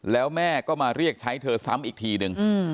แล้วแม่ก็มาเรียกใช้เธอซ้ำอีกทีนึง